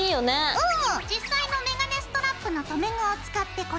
うん！